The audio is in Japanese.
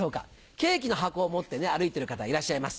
ケーキの箱を持ってね歩いてる方いらっしゃいます。